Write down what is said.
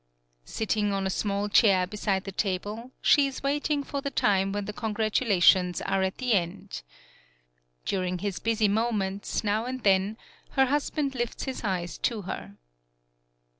Sitting on a small chair beside the table, she is waiting for the time when the congratulations are at the end. During his busy moments, now and then, her husband lifts his eyes to her.